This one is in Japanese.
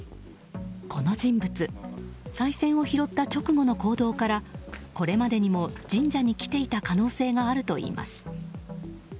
この人物さい銭を拾った直後の行動からこれまでにも神社に来ていた可能性があるといいます。